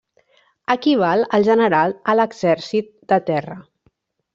Equival al general a l'exèrcit de terra.